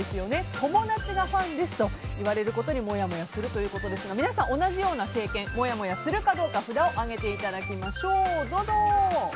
友達がファンですと言われることにもやもやするということですが皆さん、同じような経験もやもやするかどうか札を上げていただきましょう。